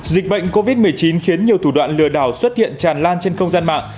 dịch bệnh covid một mươi chín khiến nhiều thủ đoạn lừa đảo xuất hiện tràn lan trên không gian mạng